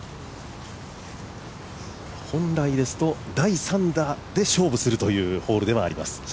本来ですと、第３打で勝負するというホールではあります。